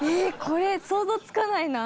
これ想像つかないな。